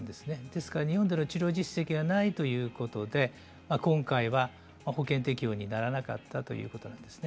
ですから日本での治療実績がないということで今回は保険適用にならなかったということです。